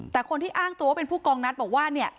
แต่คนที่อ้างตัวว่าเป็นผู้กองนัดบอกว่าเนี่ย